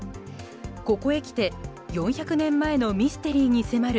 ここへきて４００年前のミステリーに迫る